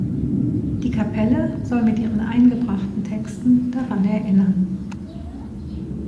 Die Kapelle soll mit ihren eingebrachten Texten daran erinnern.